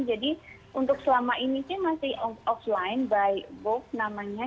jadi untuk selama ini sih masih offline by book namanya